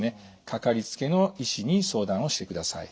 かかりつけの医師に相談をしてください。